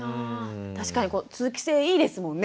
確かにこう通気性いいですもんね。